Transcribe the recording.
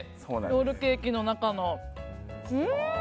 ロールケーキの中の。